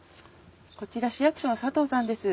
こちら市役所の佐藤さんです。